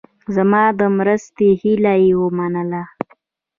زما د مرستې هیله یې ومنله.